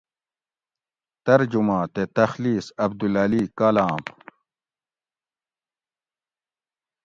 ترجمہ تے تخلیص: عبدالعلی کالام